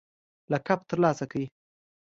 لقب ترلاسه کړ